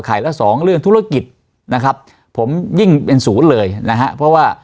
ละสองเรื่องธุรกิจนะครับผมยิ่งเป็นศูนย์เลยนะฮะเพราะว่า